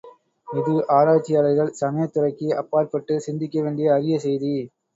இது ஆராய்ச்சியாளர்கள் சமயத்துறைக்கு அப்பாற்பட்டுச் சிந்திக்கவேண்டிய அரிய செய்தி.